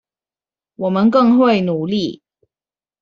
我們更會努力